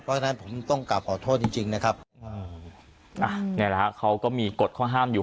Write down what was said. เพราะฉะนั้นผมต้องกลับขอโทษจริงจริงนะครับนี่แหละฮะเขาก็มีกฎข้อห้ามอยู่